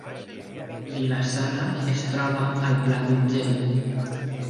Vila-sana es troba al Pla d’Urgell